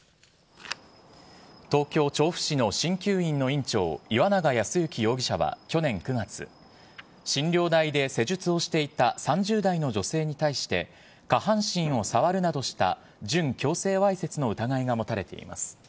東京・調布市のしんきゅう院の院長、岩永康幸容疑者は去年９月、診療台で施術をしていた３０代の女性に対して、下半身を触るなどした準強制わいせつの疑いが持たれています。